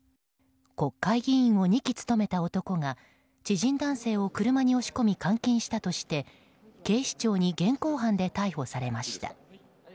国会議員を２期務めた男が知人男性を車に押し込み監禁したとして警視庁に現行犯で逮捕されました。